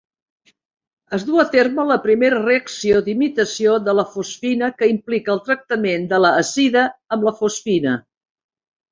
Es duu a terme la primera reacció d'imitació de la fosfina que implica el tractament de la azida amb la fosfina.